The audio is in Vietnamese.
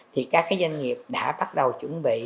thì các doanh nghiệp đã bắt đầu chuẩn bị